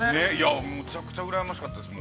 ◆むちゃくちゃうらやましかったですよ。